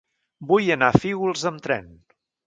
Vull anar a Fígols amb tren.